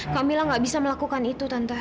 kamilah gak bisa melakukan itu tante